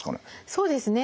そうですね。